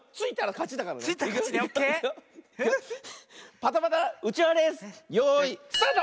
パタパタうちわレースよいスタート！